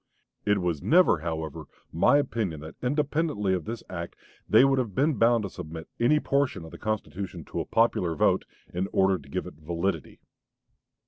It was never, however, my opinion that independently of this act they would have been bound to submit any portion of the constitution to a popular vote, in order to give it validity."